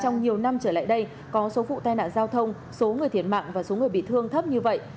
trong nhiều năm trở lại đây có số vụ tai nạn giao thông số người thiệt mạng và số người bị thương thấp như vậy